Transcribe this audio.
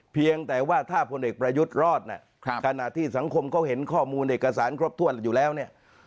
เพียงแต่ว่าถ้าพลเอกประยุทธ์รอดเนี่ยขณะที่สังคมเขาเห็นข้อมูลเอกสารครบถ้วนอยู่แล้วเนี่ย